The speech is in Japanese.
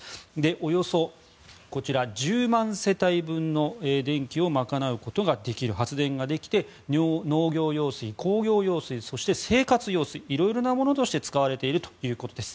およそ１０万世帯分の電気を賄うことができる発電ができて農業用水、工業用水そして生活用水いろいろなものとして使われているということです。